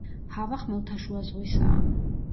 ჰავა ხმელთაშუა ზღვისაა.